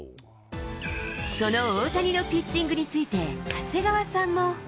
その大谷のピッチングについて、長谷川さんも。